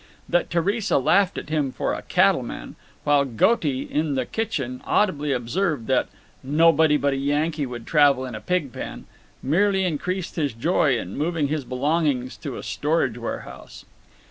That Theresa laughed at him for a cattleman, while Goaty, in the kitchen, audibly observed that "nobody but a Yankee would travel in a pig pen, "merely increased his joy in moving his belongings to a storage warehouse.